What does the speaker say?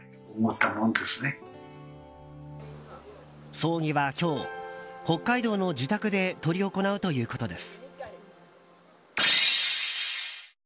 葬儀は今日、北海道の自宅で執り行うということです。